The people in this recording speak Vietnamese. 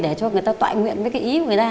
để cho người ta tọa nguyện với ý của người ta